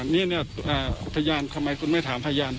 นี่พยานทำไมคุณไม่ถามพยาน